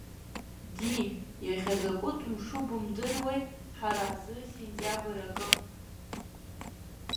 Ди, иахьа закәтәы мшу бымдыруеи ҳара ҳзы, сентиабр акы.